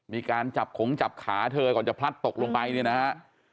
มีการจับขงจับขาเธอก่อนจะพลัดตกลงไปเนี่ยนะฮะ